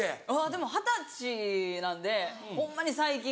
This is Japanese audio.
でも二十歳なんでホンマに最近。